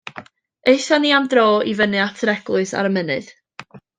Aethon ni am dro i fyny at yr eglwys ar y mynydd.